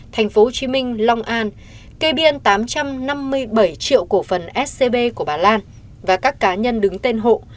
tp hcm long an kê biên tám trăm năm mươi bảy triệu cổ phần scb của bà lan và các cá nhân đứng tên hộ